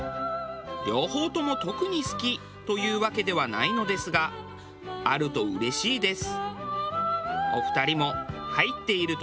両方とも特に好きというわけではないのですがあるとうれしいです。